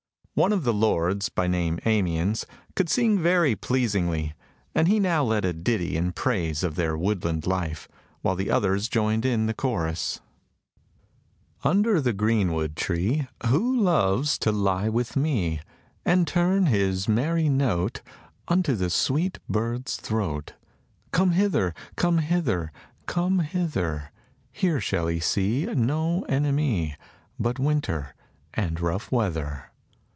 One of the lords, by name Amiens, could sing very pleasingly, and he now led a ditty in praise of their woodland life, while the others joined in the chorus: "Under the greenwood tree Who loves to lie with me, And turn his merry note Unto the sweet bird's throat, Come hither, come hither, come hither. Here shall he see No enemy But winter and rough weather.